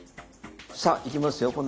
さあいきますよ。